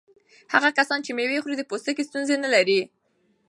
هغه کسان چې مېوه خوري د پوستکي ستونزې نه لري.